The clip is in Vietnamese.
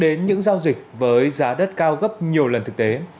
đến những giao dịch với giá đất cao gấp nhiều lần thực tế